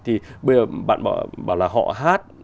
thì bây giờ bạn bảo là họ hát